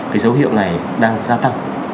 cái dấu hiệu này đang gia tăng